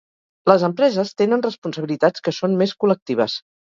Les empreses tenen responsabilitats que són més col·lectives.